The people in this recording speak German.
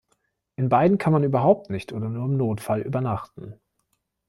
In beiden kann man überhaupt nicht oder nur im Notfall übernachten.